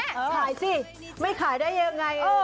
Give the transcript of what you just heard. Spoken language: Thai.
ขายสิไม่ขายได้ยังไง